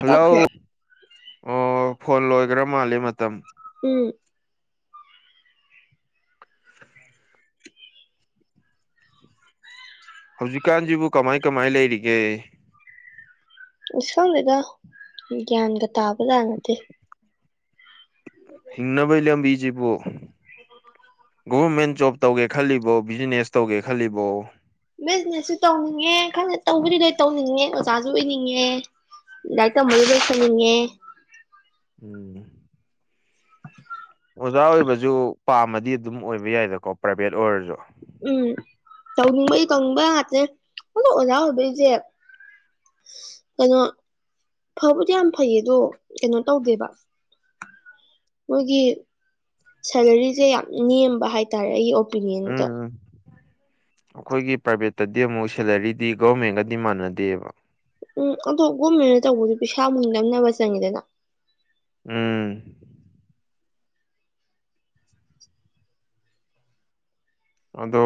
hello ꯀꯛꯈ꯭ꯔꯦ ꯑꯣ phone ꯂꯣꯏꯈ꯭ꯔ ꯃꯥꯜꯂꯦ ꯃꯇꯝ ꯎꯝ ꯍꯧꯖꯤꯛꯀꯥꯟꯁꯤꯕꯨ ꯀꯃꯥꯏ ꯀꯃꯥꯏ ꯂꯩꯔꯤꯒꯦ [unintelligible] ꯒ꯭ꯌꯥꯟꯒ ꯇꯥꯕ ꯖꯥꯠ ꯅꯠꯇꯦ ꯍꯤꯡꯅꯕꯩ ꯂꯝꯕꯤꯖꯤꯕꯨ ꯒꯣꯕꯔꯃꯦꯟ ꯖꯣꯕ ꯇꯧꯒꯦ ꯈꯜꯂꯤꯕꯣ ꯕꯤꯖꯤꯅꯦꯁ ꯇꯧꯒꯦ ꯈꯜꯂꯤꯕꯣ ꯕꯤꯖꯤꯅꯦꯁꯁꯨ ꯇꯧꯅꯤꯡꯉꯦ ꯈꯪꯗꯦ ꯇꯧꯕꯗꯤ ꯂꯣꯏ ꯇꯧꯅꯤꯡꯉꯦ ꯑꯣꯖꯥꯁꯨ ꯑꯣꯏꯅꯤꯡꯉꯦ ꯂꯥꯏꯔꯤꯛ ꯇꯝꯕꯁꯨ ꯂꯣꯏꯁꯤꯟꯅꯤꯡꯉꯦ ꯎꯝ [unintelligible] ꯑꯣꯖꯥ ꯑꯣꯏꯕꯁꯨ ꯄꯥꯝꯃꯗꯤ ꯑꯗꯨꯝ ꯑꯣꯏꯕ ꯌꯥꯏꯗꯀꯣ ꯄ꯭ꯔꯥꯏꯚꯦꯠ ꯑꯣꯏꯔꯁꯨ ꯎꯝ ꯇꯧꯅꯤꯡꯕꯩ ꯇꯧꯅꯤꯡꯕ ꯉꯥꯛꯇꯅꯦ ꯑꯗꯣ ꯑꯣꯖꯥ ꯑꯣꯏꯕꯩꯁꯦ ꯀꯩꯅꯣ ꯐꯕꯨꯗꯤ ꯌꯥꯝ ꯐꯩꯌꯦ ꯑꯗꯣ ꯀꯩꯅꯣ ꯇꯧꯗꯦꯕ ꯃꯣꯏꯒꯤ ꯁꯦꯂꯔꯤꯁꯦ ꯌꯥꯝ ꯅꯦꯝꯕ ꯍꯥꯏꯇꯥꯔꯦ ꯑꯩꯒꯤ ꯎꯝ ꯑꯣꯄꯤꯅꯤꯌꯟꯗ ꯎꯝ ꯑꯩꯈꯣꯏꯒꯤ ꯄ꯭ꯔꯥꯏꯚꯦꯠꯇꯗꯤ ꯑꯃꯨꯛ ꯁꯦꯂꯔꯤꯗꯤ ꯒꯣꯔꯃꯦꯟꯒꯗꯤ ꯃꯥꯟꯅꯗꯦꯕ ꯎꯝ ꯑꯗꯣ ꯒꯣꯔꯃꯦꯟꯅ ꯇꯧꯕꯗꯨ ꯄꯩꯁꯥ ꯃꯨꯛ ꯅꯝꯅꯕ ꯆꯪꯉꯤꯗꯅ ꯎꯝ ꯑꯗꯣ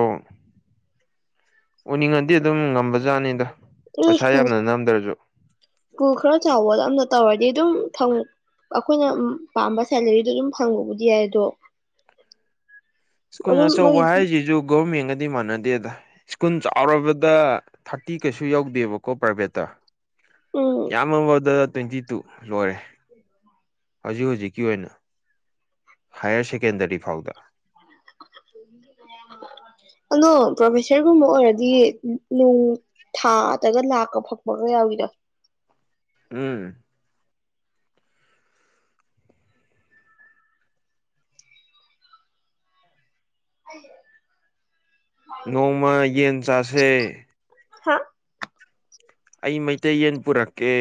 ꯎꯅꯤꯡꯉꯗꯤ ꯑꯗꯨꯝ ꯉꯝꯕꯖꯥꯠꯅꯤꯗ ꯄꯩꯁꯥ ꯎꯝꯀꯨꯜ ꯌꯥꯝꯅ ꯅꯝꯗ꯭ꯔꯁꯨ ꯁ꯭ꯀꯨꯜ ꯈꯔ ꯆꯥꯎꯕ ꯑꯝꯅ ꯇꯧꯔꯗꯤ ꯑꯗꯨꯝ ꯐꯪ ꯑꯩꯈꯣꯏꯅ ꯄꯥꯝꯕ ꯁꯦꯂꯔꯤꯗꯣ ꯑꯗꯨꯝ ꯐꯪꯕꯕꯨꯗꯤ ꯌꯥꯏ ꯑꯗꯣ ꯁ꯭ꯀꯨꯜ ꯑꯗꯨꯝ ꯃꯣꯏ ꯑꯆꯧꯕ ꯍꯥꯏꯔꯤꯁꯤꯁꯨ ꯒꯣꯔꯃꯦꯟꯒꯗꯤ ꯃꯥꯟꯅꯗꯦꯗ ꯁ꯭ꯀꯨꯜ ꯆꯥꯎꯔꯕꯗ ꯊꯥꯔꯇꯤ ꯀꯩꯁꯨ ꯌꯧꯗꯦꯕꯀꯣ ꯄ꯭ꯔꯥꯏꯚꯦꯠꯇ ꯎꯝ ꯌꯥꯝꯃꯕꯗ ꯇ꯭ꯋꯦꯟꯇꯤ ꯇꯨ ꯂꯣꯏꯔꯦ ꯍꯧꯖꯤꯛ ꯍꯧꯖꯤꯛꯀꯤ ꯑꯣꯏꯅ ꯍꯥꯌꯌꯔ ꯁꯦꯀꯦꯟꯗꯔꯤ ꯐꯥꯎꯗ ꯑꯗꯣ ꯄ꯭ꯔꯣꯐꯦꯁꯔꯒꯨꯝꯕ ꯑꯣꯏꯔꯗꯤ ꯅꯣꯡ ꯊꯥꯗꯒ ꯂꯥꯛꯀ ꯐꯛꯄꯒ ꯌꯥꯎꯋꯤꯗ ꯎꯝ ꯍꯥꯏ ꯅꯣꯡꯃ ꯌꯦꯟ ꯆꯥꯁꯦ ꯍꯥ ꯑꯩ ꯃꯩꯇꯩ ꯌꯦꯟ ꯄꯨꯔꯛꯀꯦ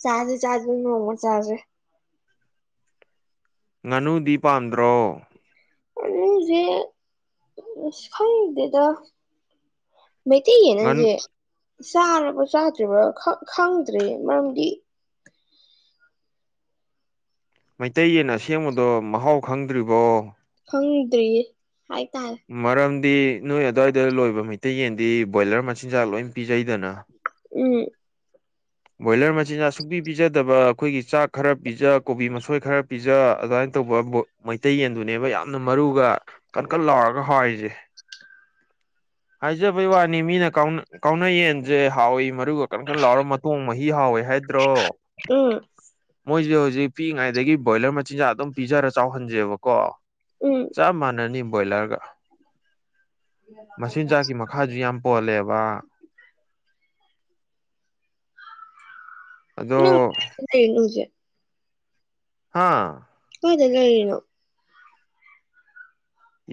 ꯆꯥꯖꯦ ꯆꯥꯖꯦ ꯅꯣꯡꯃ ꯆꯥꯖꯦ ꯉꯥꯅꯨꯗꯤ ꯄꯥꯝꯗ꯭ꯔꯣ ꯁꯦ ꯈꯗꯤꯦꯗ ꯃꯩꯇꯩ ꯉꯥꯅꯨ ꯌꯦꯅꯁꯦ ꯆꯥꯔꯕ ꯆꯥꯗ꯭ꯔꯤꯕ꯭ꯔ ꯈꯪꯗ꯭ꯔꯦ ꯃꯔꯝꯗꯤ ꯃꯩꯇꯩꯌꯦꯟ ꯑꯁꯦꯡꯕꯗꯣ ꯃꯍꯥꯎ ꯈꯪꯗ꯭ꯔꯤꯕꯣ ꯐꯪꯗ꯭ꯔꯤꯌꯦ ꯍꯥꯏꯇꯥꯔꯦ ꯃꯔꯝꯗꯤ ꯅꯣꯏ ꯑꯗꯨ꯭ꯋꯥꯏꯗ ꯂꯣꯏꯕ ꯃꯩꯇꯩ ꯌꯦꯟꯗꯤ ꯕꯣꯏꯂꯔ ꯃꯆꯤꯟꯖꯥꯛ ꯂꯣꯏ ꯄꯤꯖꯩꯗꯅ ꯎꯝ ꯕꯣꯏꯂꯔ ꯃꯆꯤꯟ ꯁꯨꯛꯄꯤ ꯄꯤꯖꯗꯕ ꯑꯩꯈꯣꯏꯒꯤ ꯆꯥꯛ ꯈꯔ ꯄꯤꯖ ꯀꯣꯕꯤ ꯃꯁꯣꯏ ꯈꯔ ꯄꯤꯖ ꯑꯗꯨꯃꯥꯏꯅ ꯇꯧꯕ ꯃꯩꯇꯩ ꯌꯦꯟꯗꯨꯅꯦꯕ ꯌꯥꯝꯅ ꯃꯔꯨꯒ ꯀꯟ ꯀꯟ ꯂꯥꯎꯔꯒ ꯍꯥꯏꯔꯤꯁꯦ ꯍꯥꯏꯖꯕꯩ ꯋꯥꯅꯤ ꯃꯤꯅ ꯀꯥꯎꯅꯌꯦꯟꯁꯦ ꯍꯥꯎꯏꯤ ꯃꯔꯨ ꯀꯔ ꯀꯔ ꯂꯥꯛꯔ ꯃꯇꯨꯡꯣꯡ ꯃꯍꯤ ꯍꯥꯎꯏꯦ ꯍꯥꯏꯗ꯭ꯔꯣ ꯎꯝ ꯃꯣꯏꯁꯦ ꯍꯧꯖꯤꯛ ꯄꯤꯛꯏꯉꯩꯗꯒꯤ ꯕ꯭ꯔꯣꯏꯂꯔ ꯃꯆꯤꯟꯖꯥꯛ ꯑꯗꯨꯝ ꯄꯤꯖꯔ ꯆꯥꯎꯍꯟꯁꯦꯕꯀꯣ ꯎꯝ ꯆꯞ ꯃꯥꯟꯅꯅꯤ ꯕꯣꯏꯂꯔꯒ ꯃꯆꯤꯟꯖꯥꯛꯀꯤ ꯈꯥꯁꯨ ꯌꯥꯝ ꯄꯣꯜꯂꯦꯕ ꯑꯗꯣ ꯁꯦ ꯍꯥꯥ ꯍꯣꯏꯗꯒꯒꯥꯒꯅꯣ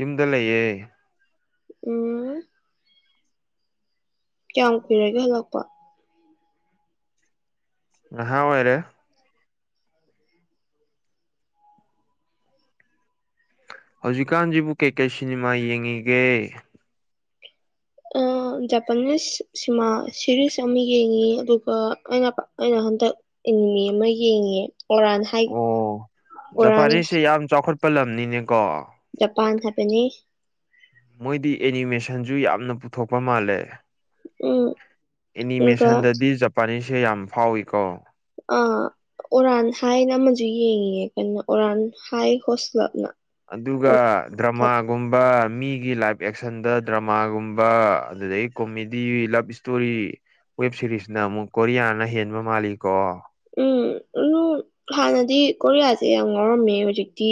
ꯏꯗ ꯂꯩꯑꯦ ꯎꯝ ꯀꯌꯥꯝ ꯀꯨꯏꯔꯒꯦ ꯍꯜꯂꯛꯄ ꯑꯍꯥꯎ ꯑꯣꯏꯔꯦ ꯍꯧꯖꯤꯛꯀꯥꯟꯁꯤꯕꯨ ꯀꯩ ꯀꯩ ꯁꯤꯅꯦꯃꯥ ꯌꯦꯡꯉꯤꯒꯦ ꯖꯄꯅꯤꯁ ꯁꯤꯃꯥ ꯁꯤꯦꯔꯤꯁ ꯑꯃ ꯌꯦꯡꯉꯤ ꯑꯗꯨꯒ ꯑꯩꯅ ꯑꯩꯅ ꯍꯟꯗꯛ ꯏꯟꯃꯤ ꯑꯃ ꯌꯦꯡꯉꯦ ꯑꯣꯔꯥꯅ ꯑꯣ ꯖꯐꯔꯤꯁꯦ ꯌꯥꯝ ꯆꯥꯎꯈꯠꯄ ꯂꯝꯅꯤꯅꯦꯀꯣ ꯖꯄꯥꯟ ꯍꯥꯏꯕꯅꯤ ꯃꯣꯏꯗꯤ ꯑꯦꯅꯤꯃꯦꯁꯟꯁꯨ ꯌꯥꯝꯅ ꯄꯨꯊꯣꯛꯄ ꯃꯥꯜꯂꯦ ꯎꯝ ꯑꯗꯨꯒ ꯑꯦꯅꯤꯃꯦꯁꯟꯗꯗꯤ ꯖꯄꯥꯅꯤꯁꯁꯦ ꯌꯥꯝ ꯐꯥꯎꯏꯤꯀꯣ ꯑ ꯑꯣꯔꯥꯟ ꯍꯥꯏꯅ ꯑꯃꯁꯨ ꯌꯦꯡꯉꯉꯦ ꯀꯩꯅꯣ ꯑꯣꯔꯥꯟ ꯍꯥꯏ ꯍꯣꯁꯂꯞꯅ ꯑꯗꯨꯒ ꯗ꯭ꯔꯃꯥꯒꯨꯝꯕ ꯃꯤꯒꯤ ꯂꯥꯏꯐ ꯑꯦꯛꯁꯟꯗ ꯗ꯭ꯔꯃꯥꯒꯨꯝꯕ ꯑꯗꯨꯗꯩ ꯀꯣꯃꯦꯗꯤ ꯂꯕ ꯏꯁꯇꯣꯔꯤ ꯋꯦꯕ ꯁꯤꯦꯔꯤꯁꯅ ꯑꯃꯨꯛ ꯀꯣꯔꯤꯌꯥꯅ ꯍꯦꯟꯕ ꯃꯥꯜꯂꯤ ꯀꯣ ꯎꯝ ꯑꯗꯨ ꯍꯥꯟꯅꯗꯤ ꯀꯣꯔꯤꯌꯥꯁꯦ ꯌꯥꯝ ꯉꯥꯎꯔꯝꯃꯦ ꯍꯧꯖꯤꯛꯇꯤ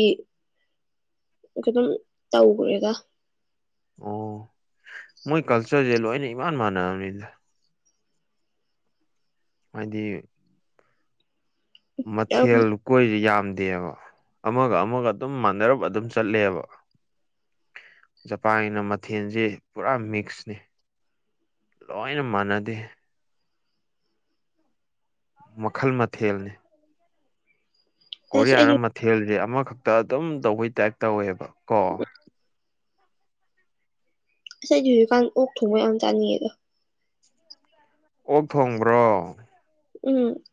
ꯑꯗꯨ ꯑꯗꯨꯝ ꯇꯧꯈ꯭ꯔꯦꯒ ꯑꯣ ꯃꯣꯏ ꯀꯜꯆꯔꯁꯦ ꯂꯣꯏꯅ ꯏꯃꯥꯟ ꯃꯥꯟꯅꯅꯤꯗ ꯍꯥꯏꯗꯤ ꯌꯥꯝ ꯃꯊꯦꯜ ꯀꯣꯏꯁ ꯌꯥꯝꯗꯦꯕ ꯑꯃꯒ ꯑꯃꯒ ꯑꯗꯨꯝ ꯃꯥꯟꯅꯔꯞ ꯑꯗꯨꯝ ꯆꯠꯂꯦꯕ ꯖꯄꯥꯟꯒꯤꯅ ꯃꯊꯦꯜꯁꯤ ꯄꯨꯔꯥ ꯃꯤꯛꯁꯅꯤ ꯂꯣꯏꯅ ꯃꯥꯟꯅꯗꯦ ꯃꯈꯜ ꯃꯊꯦꯜꯅꯤ ꯑꯁ ꯀꯣꯔꯤꯌꯥꯅ ꯑꯩꯗꯤ ꯃꯊꯦꯜꯁꯦ ꯑꯃꯈꯛꯇ ꯑꯗꯨꯝ ꯇꯧꯕꯩ ꯇꯥꯏꯞ ꯇꯧꯋꯦꯕ ꯀꯣ ꯉꯁꯗꯤ ꯍꯧꯖꯤꯛꯀꯥꯟ ꯑꯣꯛ ꯊꯣꯡꯕ ꯌꯥꯝ ꯆꯥꯅꯤꯡꯉꯦꯗꯣ ꯑꯣꯛ ꯊꯣꯡꯕ꯭ꯔꯣ ꯎꯝ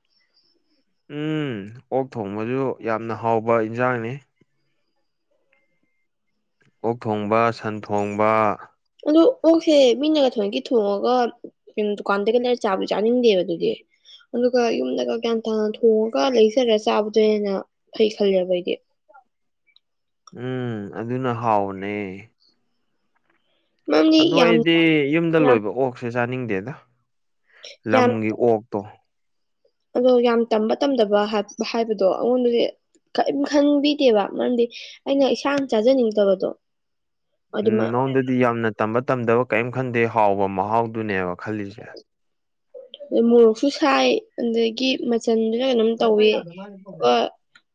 ꯎꯝ ꯑꯣꯛ ꯊꯣꯡꯕꯁꯨ ꯌꯥꯝꯅ ꯍꯥꯎꯕ ꯏꯟꯁꯥꯡꯅꯤ ꯑꯣꯛ ꯊꯣꯡꯕ ꯁꯟ ꯊꯣꯡꯕ ꯑꯗ ꯑꯣꯛꯁꯦ ꯃꯤꯅꯒ ꯊꯣꯏꯒꯤ ꯊꯣꯡꯉꯒ ꯀ ꯗꯨꯀꯥꯟꯗꯒꯤꯩ ꯂꯩꯥꯏꯔ ꯆꯥꯕꯁꯨ ꯆꯥꯅꯤꯡꯗꯦꯕ ꯑꯗꯨꯗꯤ ꯑꯗꯨꯒ ꯌꯨꯝꯗꯒ ꯒ꯭ꯌꯥꯟ ꯇꯥꯅ ꯊꯣꯡꯉꯒ ꯂꯩꯖꯔꯒ ꯆꯥꯕꯗꯣ ꯍꯦꯟꯅ ꯐꯩ ꯈꯜꯂꯦꯕ ꯑꯩꯗꯤ ꯎꯝ ꯑꯗꯨꯅ ꯍꯥꯎꯅꯦ ꯃꯔꯝꯗꯤ ꯑꯗꯨ ꯌꯥꯝ ꯑꯩꯗꯤ ꯌꯨꯝꯗ ꯌꯥꯝ ꯂꯣꯏꯕ ꯑꯣꯛꯁꯦ ꯆꯥꯅꯤꯡꯗꯦꯗ ꯌꯥꯝ ꯂꯝꯒꯤ ꯑꯣꯛꯇꯣ ꯑꯗꯣ ꯌꯥꯝ ꯇꯝꯕ ꯇꯝꯗꯕ ꯍꯥꯏꯕꯗꯣ ꯑꯩꯉꯣꯟꯗꯗꯤ ꯀꯔꯤꯝ ꯈꯟꯕꯤꯗꯦꯕ ꯃꯔꯝꯗꯤ ꯑꯩꯅ ꯏꯁꯥ ꯆꯥꯖꯅꯤꯡꯗꯕꯗꯣ ꯎꯝ ꯑꯗꯨꯃ ꯅꯉꯣꯡꯗꯗꯤ ꯌꯥꯝꯅ ꯇꯝꯕ ꯇꯝꯗꯕ ꯀꯔꯤꯝ ꯈꯟꯗꯦ ꯍꯥꯎꯕ ꯃꯍꯥꯎꯗꯨꯅꯦꯕ ꯈꯜꯂꯤꯁꯦ [inaudible] ꯃꯣꯔꯣꯛꯁꯨ ꯁꯥꯏ ꯑꯗꯒꯤ ꯃꯆꯟꯗꯨꯁꯨ ꯀꯩꯅꯣꯝ ꯇꯧꯏ ꯑꯗꯨꯒ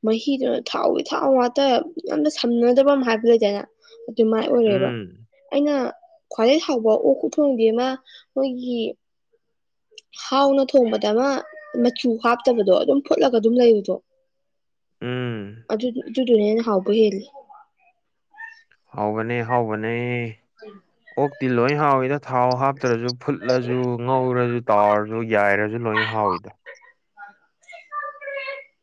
ꯃꯍꯤꯗꯨꯣ ꯊꯥꯎꯋ ꯊꯥꯎ ꯋꯥꯇ ꯌꯥꯝꯅ ꯁꯝꯅꯗꯕ ꯑꯃ ꯍꯥꯏꯕ ꯂꯩꯗꯅ ꯑꯗꯨꯃꯥꯏ ꯑꯣꯏꯔꯦꯕ ꯎꯝ ꯑꯩꯅ ꯈ꯭ꯋꯥꯏꯗꯩ ꯍꯕ ꯎ ꯎꯊꯣꯡꯗꯤ ꯑꯃ ꯃꯣꯏꯒꯤ ꯍꯥꯎꯅ ꯊꯣꯡꯕꯗ ꯑꯃ ꯃꯆꯨ ꯍꯥꯞꯇꯕꯗꯣ ꯑꯗꯨꯝ ꯐꯨꯠꯂꯒ ꯑꯗꯨꯝ ꯂꯩꯕꯗꯣ ꯎꯝ ꯑꯗꯨ ꯑꯗꯨꯗꯨꯅꯅ ꯍꯥꯎꯕ ꯍꯜꯂꯤ ꯍꯥꯎꯕꯅꯦ ꯍꯥꯎꯕꯅꯦ [unintelligible] ꯑꯣꯛꯇꯤ ꯂꯣꯏ ꯍꯥꯎꯋꯤꯗ ꯊꯥꯎ ꯍꯥꯞꯇ꯭ꯔꯁꯨ ꯐꯨꯠꯂꯁꯨ ꯉꯧꯔꯁꯨ ꯇꯥꯎꯔ ꯑꯗꯨ ꯌꯥꯏꯔꯁꯨ ꯂꯣꯏ ꯍꯥꯎꯋꯤꯗ ꯑ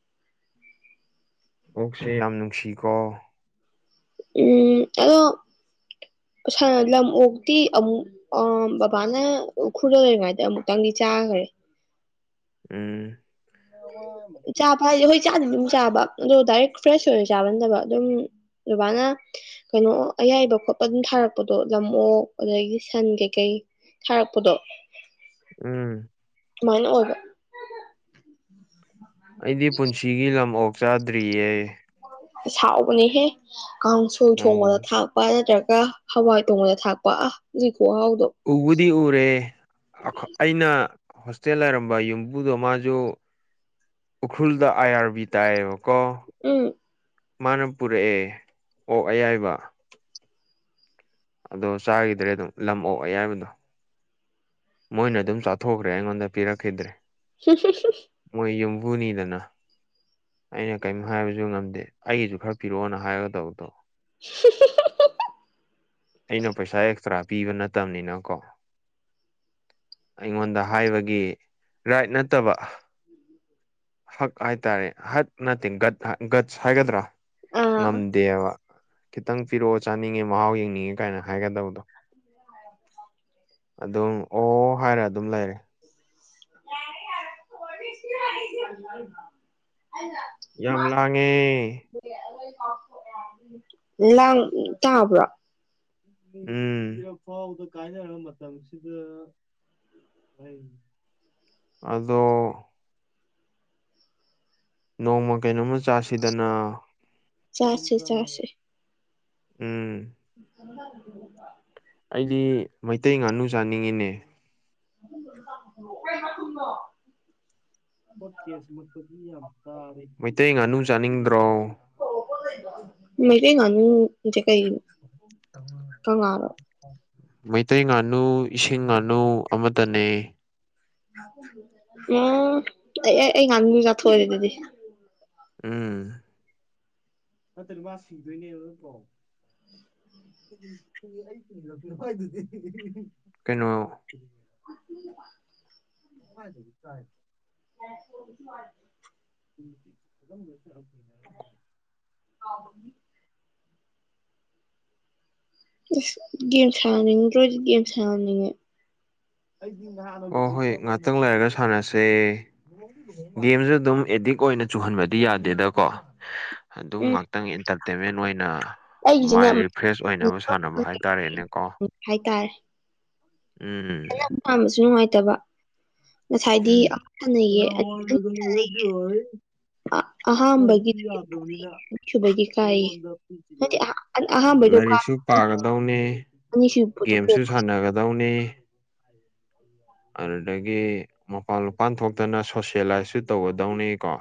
ꯑꯣꯛꯁꯦ ꯌꯥꯝ ꯅꯨꯡꯁꯤꯀꯣ ꯎꯝ ꯑꯗꯣ ꯂꯝ ꯑꯣꯛꯇꯤ ꯑꯃꯨꯛ ꯑ ꯕꯕꯥꯅ ꯎꯈꯔꯗ ꯂꯩꯔꯤꯉꯥꯏꯗ ꯑꯃꯨꯛꯇꯪꯗꯤ ꯆꯥꯈꯔꯦ ꯎꯝ ꯆꯥ ꯐꯥꯁꯦ ꯍꯣꯏ ꯆꯥꯗ ꯑꯗꯨꯝ ꯆꯥꯕ ꯑꯗꯣ ꯗꯥꯏꯔꯦꯛ ꯐ꯭ꯔꯦꯁ ꯑꯣꯏꯅ ꯆꯥꯃꯟꯗꯕ ꯑꯗꯨꯝ ꯕꯥꯅ ꯀꯩꯅꯣ ꯑꯌꯥꯏꯕ ꯈꯣꯠꯄ ꯑꯗꯨꯝ ꯊꯥꯔꯛꯄꯗꯣ ꯂꯝ ꯑꯣꯣꯛ ꯑꯗꯒꯤ ꯁꯟ ꯀꯩꯀꯩ ꯊꯥꯔꯛꯄꯗꯣ ꯎꯝ ꯁꯨꯃꯥꯏꯅ ꯑꯣꯏꯕ ꯑꯩꯗꯤ ꯄꯨꯟꯁꯤꯒꯤ ꯂꯝ ꯑꯣꯛ ꯆꯥꯗ꯭ꯔꯤꯌꯦ ꯏꯁ ꯍꯥꯎꯕꯅꯦꯍꯦ ꯀꯥꯡ ꯁꯣꯏ ꯊꯣꯡꯕꯗ ꯎꯝ ꯊꯥꯛꯄ ꯅꯠꯇ꯭ꯔꯒ ꯍꯋꯥꯏ ꯊꯣꯡꯕꯗ ꯊꯥꯛꯄ ꯑꯥꯍ ꯑꯗꯨꯏ ꯈꯨꯍꯥꯎ__ ꯎꯕꯨꯗꯤ ꯎꯔꯦ ꯑꯈ ꯑꯩꯅ ꯍꯣꯁꯇꯦꯜ ꯂꯩꯔꯝꯕ ꯌꯨꯝꯕꯨꯗꯣ ꯃꯥꯁꯨ ꯎꯈ꯭ꯨꯔꯜꯗ ꯑꯥꯏ ꯑꯥꯔ ꯕꯤ__ ꯇꯥꯏꯌꯦꯕꯀꯣ ꯎꯝ ꯃꯥꯅ ꯄꯨꯔꯛꯑꯦ ꯑꯣꯛ ꯑꯌꯥꯏꯕ ꯑꯗꯣ ꯆꯥꯒꯤꯗ꯭ꯔꯦ ꯑꯗꯨꯝ ꯂꯝ ꯑꯣꯛ ꯑꯌꯥꯏꯕꯗꯣ ꯃꯣꯏꯅ ꯑꯗꯨꯝ ꯆꯥꯊꯣꯛꯈ꯭ꯔꯦ ꯑꯩꯉꯣꯟꯗ ꯄꯤꯔꯛꯈꯤꯗ꯭ꯔꯦ [unintelligible] ꯃꯣꯏ ꯌꯨꯝꯕꯨꯅꯤꯗꯅ ꯑꯩꯅ ꯀꯦꯝ ꯍꯥꯏꯕꯁꯨ ꯉꯝꯗꯦ ꯑꯩꯒꯤꯁꯨ ꯈꯔ ꯄꯤꯔꯛꯑꯣꯅ ꯍꯥꯏꯒꯗꯧꯕꯗꯣ [unintelligible] ꯑꯩꯅ ꯄꯩꯁꯥ ꯑꯦꯛꯁꯇ꯭ꯔꯥ ꯄꯤꯕ ꯅꯠꯇꯕꯅꯤꯅ ꯀꯣ ꯑꯩꯉꯣꯟꯗ ꯍꯥꯏꯕꯒꯤ ꯔꯥꯏꯠ ꯅꯠꯇꯕ ꯍꯛ ꯍꯥꯏꯇꯥꯔꯦ ꯍꯠ ꯅꯠꯇꯦ ꯒꯠ ꯒꯠꯆ ꯍꯥꯏꯒꯗ꯭ꯔꯥ ꯑꯥ ꯉꯝꯗꯦꯕ ꯈꯤꯇꯪ ꯄꯤꯔꯛꯑꯣ ꯆꯥꯅꯤꯡꯉꯦ ꯃꯍꯥꯎ ꯌꯦꯡꯅꯤꯡꯉꯦ ꯀꯥꯏꯅ ꯍꯥꯏꯒꯗꯧꯗꯣ ꯑꯗꯨꯝ ꯑꯣ ꯍꯥꯏꯔ ꯑꯗꯨꯝ ꯂꯩꯔꯦ [unintelligible] ꯌꯥꯝ ꯂꯥꯡꯉꯦ ꯂꯥꯡ ꯇꯥꯕ꯭ꯔꯣ ꯎꯝ [unintelligible] ꯑꯗꯣ ꯅꯣꯡꯃ ꯀꯩꯅꯣꯝꯃ ꯆꯥꯁꯤꯗꯅ ꯆꯥꯁꯦ ꯆꯥꯁꯦ [unintelligible] ꯎꯝ [inaudible] ꯑꯩꯗꯤ ꯃꯩꯇꯩ ꯉꯥꯅꯨ ꯆꯥꯅꯤꯡꯉꯤꯅꯦ [unintelligible] [unintelligible] ꯃꯩꯇꯩ ꯉꯥꯅꯨ ꯆꯥꯅꯤꯡꯗ꯭ꯔꯣ [unintelligible] ꯃꯩꯇꯩꯗꯤ ꯉꯥꯅꯨꯗꯤ ꯀꯩꯒꯤꯅꯣ [inaudible] ꯀꯉꯥꯔꯣ ꯃꯩꯇꯩ ꯉꯥꯅꯨ ꯏꯁꯤꯡ ꯉꯥꯅꯨ ꯑꯃꯇꯅꯦ ꯎꯝ ꯑꯩ ꯑꯩ ꯑꯩ ꯉꯥꯅꯨꯖꯦ ꯆꯥꯊꯣꯛꯑꯦ ꯑꯗꯨꯗꯤ ꯎꯝ ꯅꯠꯇꯗꯤ ꯃꯥ ꯁꯤꯗꯣꯏꯅꯦꯕ ꯇꯠꯇ꯭ꯔꯣ [unintelligible] ꯀꯩꯅꯣ [inaudible] [unintelligible] [unintelligible] [inaudible] [unintelligible] ꯏꯁ ꯒꯦꯝ ꯁꯥꯅꯤꯡꯗ꯭ꯔꯣ ꯑꯗꯨꯗꯤ ꯌꯥꯝ ꯁꯥꯟꯅꯅꯤꯡꯉꯦ [unintelligible] ꯑꯣ ꯍꯣꯏ ꯉꯥꯛꯇꯪ ꯂꯩꯔꯒ ꯁꯥꯟꯅꯁꯦ ꯒꯦꯝꯖꯨ ꯑꯗꯨꯝ ꯑꯦꯗꯤꯛ ꯑꯣꯏꯅ ꯆꯨꯍꯟꯕꯗꯤ ꯌꯥꯗꯦꯗꯀꯣ ꯑꯗꯨꯝ ꯎꯝ ꯉꯥꯏꯇꯪꯒꯤ ꯏꯟꯇꯔꯇꯦꯟꯃꯦꯟ ꯑꯣꯏꯅ ꯑꯩꯒꯤꯁꯤꯅ ꯃꯥꯏꯟ ꯔꯤꯐ꯭ꯔꯦꯁ ꯑꯣꯏꯅꯕ ꯁꯥꯟꯅꯕ ꯍꯥꯏꯇꯥꯔꯦꯅꯦ ꯀꯣ ꯍꯥꯏꯇꯥꯔꯦ ꯎꯝ ꯑꯄꯥꯝꯕꯁꯨ ꯅꯨꯡꯉꯥꯏꯇꯕ ꯉꯁꯥꯏꯗꯤ ꯎꯝ ꯑꯃꯨꯛ ꯍꯟꯅ ꯌꯦ__ [unintelligible] ꯀꯔꯤꯁꯨ ꯌꯥꯗꯕꯅꯤꯅ ꯁꯨꯕꯒꯤ ꯀꯥꯏꯌꯦ ꯅꯉꯣꯟꯗ ꯄꯤꯈꯤꯕ ꯅꯠꯇꯦ ꯑꯩꯒꯤ ꯑꯍꯥꯟꯕꯩꯗꯣ ꯀꯥ ꯂꯥꯏꯔꯤꯛꯁꯨ ꯄꯥꯒꯗꯧꯅꯤ ꯑꯅꯤꯁꯨꯕꯗ ꯒꯦꯝꯁꯨ ꯄꯣꯛꯄ ꯁꯥꯟꯅꯒꯗꯧꯅꯤ ꯑꯗꯨꯗꯒꯤ ꯃꯄꯥꯟ ꯃꯄꯥꯟ ꯊꯣꯛꯇꯅ ꯁꯣꯁꯦꯂꯥꯏꯁꯁꯨ ꯇꯧꯒꯗꯧꯅꯤꯀꯣ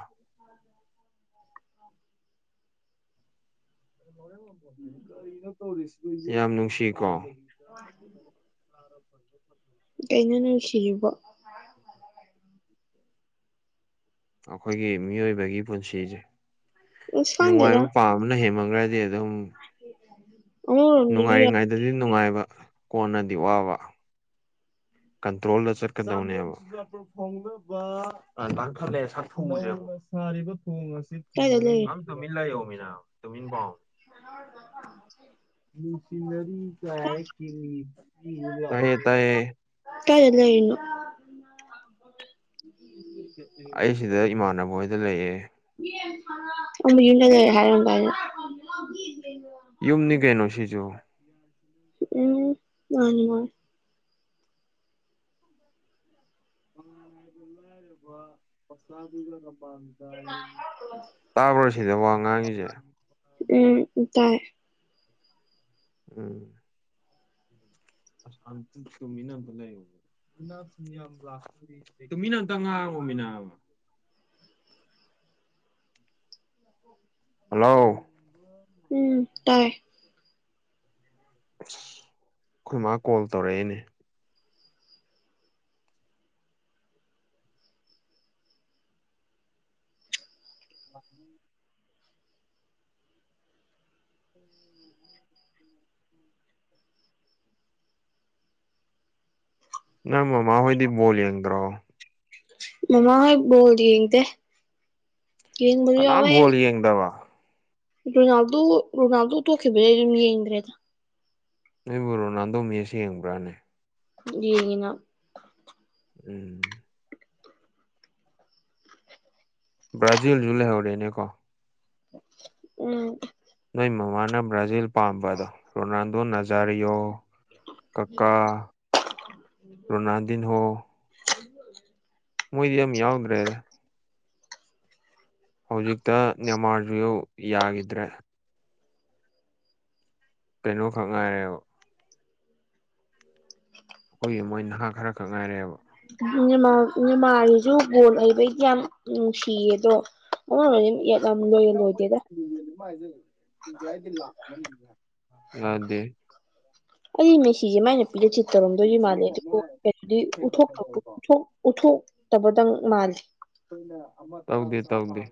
ꯂꯕꯣ ꯎꯝ ꯌꯥꯝ ꯅꯨꯡꯁꯤ ꯀꯣ ꯍ [inaudible] ꯀꯩꯅ ꯅꯨꯡꯈꯤꯌꯦꯀꯣ ꯎ ꯑꯩꯈꯣꯏꯒꯤ ꯃꯤꯑꯣꯏꯕꯒꯤ ꯄꯨꯟꯁꯤꯁꯦ ꯑꯁ ꯈꯪꯗꯦꯗ ꯅꯨꯡꯉꯥꯏꯕ ꯄꯥꯕꯅ ꯍꯦꯟꯃꯝꯈ꯭ꯔꯗꯤ ꯑꯗꯨ ꯑꯗꯨꯝ ꯑꯃꯔꯣꯝꯗꯁꯨ ꯌꯥꯝ ꯅꯨꯡꯉꯥꯏꯔꯤꯉꯩꯗꯗꯤ ꯅꯨꯡꯉꯥꯏꯕ ꯀꯣꯟꯅꯗꯤ ꯋꯥꯕ ꯀꯟꯇ꯭ꯔꯣꯜꯗ ꯆꯠꯀꯗꯧꯅꯦꯕ ꯊ ꯁꯥꯔꯤꯕ ꯊꯣꯡ ꯑꯁꯤ ꯀꯥꯏꯗ ꯂꯩꯔꯤ ꯇꯨꯃꯤꯟ ꯂꯩꯌꯣ ꯃꯤꯅ ꯇꯨꯃꯤꯟ ꯄꯥꯎ ꯃ ꯀ ꯃꯁꯤꯅꯔꯤ ꯀ ꯃꯤꯥꯏ ꯆꯠꯇꯔꯂ ꯏꯣ ꯑꯩ ꯁꯤꯗ ꯏꯃꯥꯟꯅꯕ ꯍꯣꯏꯗ ꯂꯩꯌꯦꯦ ꯑꯝꯕ ꯌꯨꯝ ꯂꯩ ꯂꯩꯦ ꯍꯥꯏꯔ ꯀ [inaudible] ꯌꯨꯝꯅꯤ ꯀꯩꯅꯣꯁꯤꯁꯨ ꯎꯝ ꯅꯣꯏꯅꯤꯉ ꯐꯁꯥ ꯀꯄꯥꯥ ꯇꯥꯕ꯭ꯔꯥ ꯁꯤꯅꯦ ꯋꯥ ꯉꯥꯡꯉꯤꯁꯦ ꯎꯝ ꯇꯥꯏ ꯎꯝ ꯑ ꯑ ꯀꯃꯤꯅꯗ ꯂꯩꯦ ꯌꯥꯝ ꯃꯤꯅ ꯑꯝꯇ ꯉꯥꯡꯉꯃꯤꯅꯕ ꯍꯜꯂꯣ ꯎꯝ ꯇꯥꯏ ꯑ ꯑꯩꯈꯣꯏ ꯃꯥ ꯀꯣꯜ ꯇꯧꯔꯛꯏꯅꯦ ꯑ ꯎꯝ ꯅ ꯃꯥꯃ ꯍꯣꯏꯗꯤ ꯣꯜ ꯌꯦꯡꯗ꯭ꯔꯣ ꯃꯃꯥ ꯍꯣꯏꯣ ꯌꯦꯡꯗ ꯌꯦ ꯀꯅꯥꯝ ꯃꯦ ꯕꯣꯜ ꯌꯦꯡꯗꯕ ꯔꯣꯅꯥꯜꯗꯣ ꯔꯣꯅꯥꯜꯗꯣ ꯊꯣꯛꯈꯤꯕꯗꯦ ꯑꯩ ꯑꯗꯨꯝ ꯌꯦꯡꯗ꯭ꯔꯦꯗ ꯅꯕꯨ ꯔꯣꯅꯥꯜꯗꯣ ꯃꯁ ꯌꯦꯡꯕ꯭ꯔꯥꯅꯦ ꯌꯦꯡꯉꯤꯅ ꯎꯝ ꯕ꯭ꯔꯥꯖꯤꯜꯁꯨ ꯂꯩꯍꯧꯔꯦꯅꯦꯀꯣ ꯎꯝ ꯅꯣꯏ ꯃꯃꯥꯅ ꯕ꯭ꯔꯥꯖꯤꯜ ꯄꯥꯝꯕꯗꯣ ꯔꯣꯅꯥꯜꯗꯣ ꯅꯖꯥꯔꯤꯌꯣ ꯀꯀꯥ ꯔꯣꯅꯥꯗꯤꯤꯟ ꯍꯣ ꯃꯣꯏꯗꯤ ꯌꯥꯝ ꯌꯥꯎꯗ꯭ꯔꯦꯗ ꯍꯧꯖꯤꯛꯇ ꯅꯅꯤꯃꯥꯔꯖ ꯌꯥꯈꯤꯗ꯭ꯔꯦ ꯀꯩꯅꯣ ꯐꯪ ꯉꯥꯏꯔꯦꯕ ꯑꯩꯈꯣꯏꯒꯤ ꯃꯣꯏ ꯅꯍꯥ ꯈꯔ ꯈꯛ ꯉꯥꯏꯔꯑꯦꯕ ꯏ ꯃꯥꯥꯔꯤꯁꯨ ꯒꯣꯜ ꯍꯩꯕꯩꯗꯤ ꯌꯥꯝ ꯅꯨꯡꯁꯤꯌꯦ ꯑꯗꯣ [unintelligible] ꯌꯥꯝ ꯂꯣꯏꯔ ꯂꯣꯏꯗꯦꯗ [unintelligible] ꯌꯥꯗꯦ ꯑꯩ ꯃꯤꯁꯤꯁꯦ ꯃꯥꯏꯅ [unintelligible] ꯎꯊꯣꯛ ꯎꯊꯣꯛ ꯇꯥꯕꯥ ꯇꯪ ꯃꯥꯜꯂꯤ [unintelligible] ꯇꯧꯗꯦ ꯇꯧꯗꯦ